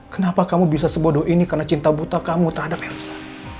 kenapa kamu bisa sebodoh ini karena cinta buta kamu terhadap elsa